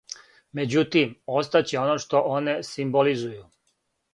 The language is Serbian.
Међутим, остаће оно што оне симболизују.